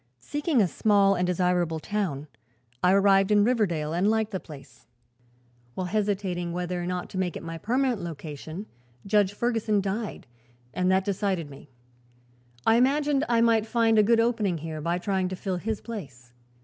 Seeking a small and desirable town, I arrived in Riverdale and liked the place. While hesitating whether or not to make it my permanent location, Judge Ferguson died, and that decided me. I imagined I might find a good opening here by trying to fill his place.